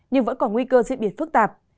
nhưng vẫn có nguy cơ diễn biệt phức tạp